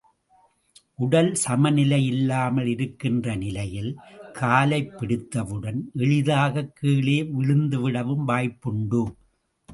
உடல் சமநிலை இல்லாமல் இருக்கின்ற நிலையில் காலைப் பிடித்தவுடன், எளிதாகக் கீழே விழுந்துவிடவும் வாய்ப்புண்டு.